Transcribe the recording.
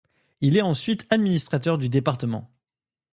Il est ensuite administrateur du département.